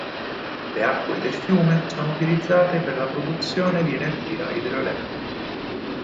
Le acque del fiume sono utilizzate per la produzione di energia idroelettrica.